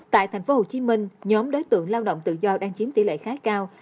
tại tp hcm nhóm đối tượng lao động tự do đang chiếm tỷ lệ khá cao